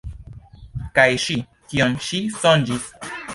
Kaj ŝi, kion ŝi sonĝis?